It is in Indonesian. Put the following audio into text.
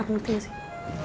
aku ngerti gak sih